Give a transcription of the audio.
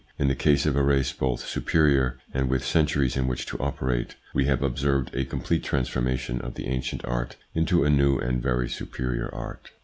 In the case of a race both superior and with centuries in which to operate, we have no THE PSYCHOLOGY OF PEOPLES: observed a complete transformation of the ancient art into a new and very superior art.